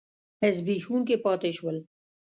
زبېښونکي پاتې شول.